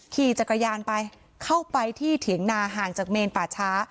ขี่จักรยานไปเข้าไปที่เถียงนาห่างจากเมนป่าช้า